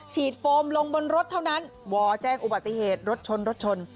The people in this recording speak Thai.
ฉีดโฟมลงบนรถเท่านั้นแจ้งอุบัติเหตุรถชน